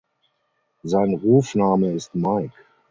Sein Rufname ist Mike.